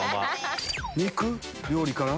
肉料理から。